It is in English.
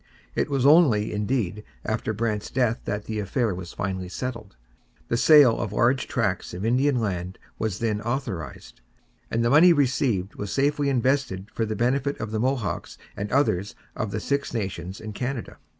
It was only, indeed, after Brant's death that the affair was finally settled. The sale of large tracts of Indian land was then authorized, and the money received was safely invested for the benefit of the Mohawks and others of the Six Nations in Canada.